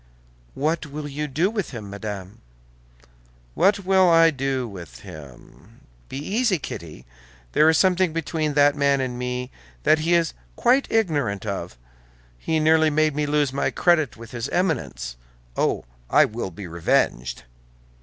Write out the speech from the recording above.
"What will you do with him, madame?" "What will I do with him? Be easy, Kitty, there is something between that man and me that he is quite ignorant of: he nearly made me lose my credit with his Eminence. Oh, I will be revenged!"